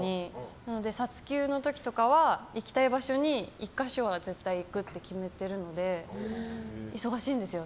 なので撮休の時とかは行きたい場所に１か所は絶対行くって決めているので忙しいんですよ。